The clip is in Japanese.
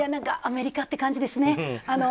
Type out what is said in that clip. アメリカって感じですね。